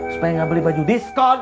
supaya gak beli baju disco nih